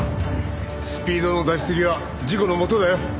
スピードの出しすぎは事故のもとだよ。